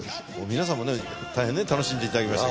皆さんもねたいへん楽しんでいただけました。